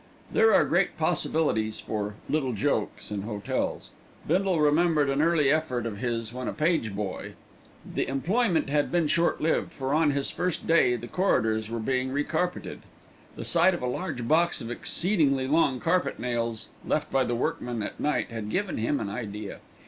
There are great possibilities for "little jokes" in hotels. Bindle remembered an early effort of his when a page boy. The employment had been short lived, for on his first day the corridors were being recarpeted. The sight of a large box of exceedingly long carpet nails left by the workmen at night had given him an idea.